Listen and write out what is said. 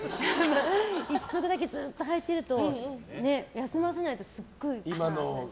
１足だけずっと履いてると休ませないとすごい臭くなる。